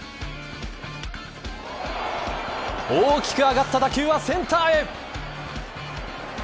大きく上がった打球はセンターへ。